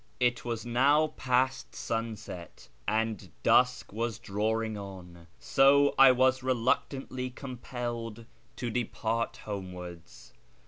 It was now past sunset, and dusk was drawing on, so I was reluctantly compelled to depart homewards.